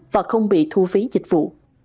và không bị thu phí dịch vụ